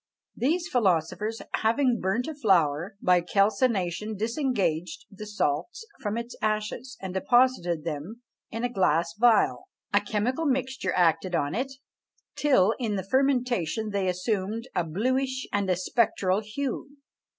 These philosophers having burnt a flower, by calcination disengaged the salts from its ashes, and deposited them in a glass phial; a chemical mixture acted on it, till in the fermentation they assumed a bluish and a spectral hue.